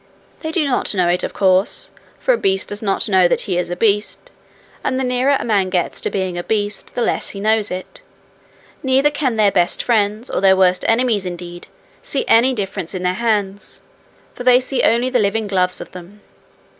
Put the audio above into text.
They do not know it of course; for a beast does not know that he is a beast, and the nearer a man gets to being a beast the less he knows it. Neither can their best friends, or their worst enemies indeed, see any difference in their hands, for they see only the living gloves of them.